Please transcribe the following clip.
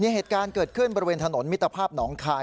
เหตุการณ์เกิดขึ้นบริเวณถนนมิตรภาพหนองคาย